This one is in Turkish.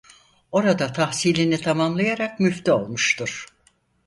Orada tahsilini tamamlayarak müftü olmuştur.